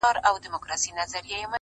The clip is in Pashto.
سترګي سرې غټه سینه ببر برېتونه!